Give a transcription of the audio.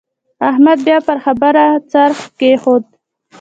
احمد بيا پر خبره څرخ کېښود.